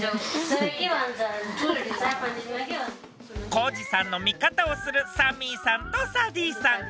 幸二さんの味方をするサミーさんとサディさん。